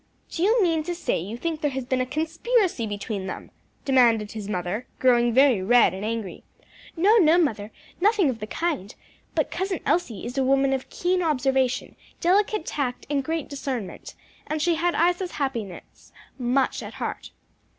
"Do you mean to say you think there has been a conspiracy between them?" demanded his mother, growing very red and angry. "No, no, mother, nothing of the kind! but Cousin Elsie is a woman of keen observation, delicate tact and great discernment; and she had Isa's happiness much at heart."